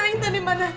nay intan di mana